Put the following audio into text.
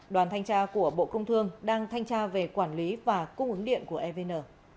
đoàn thanh tra của bộ công thương đang thanh tra về quản lý và cung ứng điện của evn